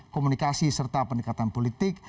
komunikasi serta pendekatan politik